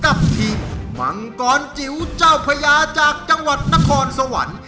กับทีมมังกรจิ๋วเจ้าพญาจากจังหวัดนครสวรรค์